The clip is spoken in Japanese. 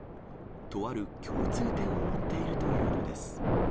とある共通点を持っているというのです。